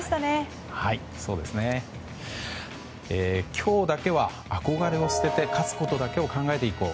今日だけは憧れを捨てて勝つことだけを考えていこう。